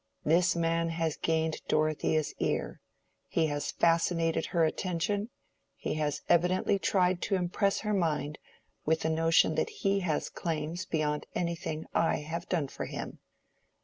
This man has gained Dorothea's ear: he has fascinated her attention; he has evidently tried to impress her mind with the notion that he has claims beyond anything I have done for him.